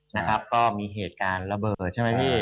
นะครับก็มีเหตุการณ์ระเบิดใช่ไหมพี่